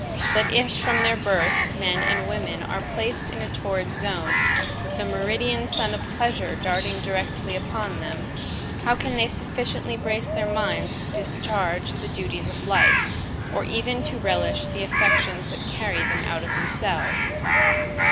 But, if from their birth men and women are placed in a torrid zone, with the meridian sun of pleasure darting directly upon them, how can they sufficiently brace their minds to discharge the duties of life, or even to relish the affections that carry them out of themselves?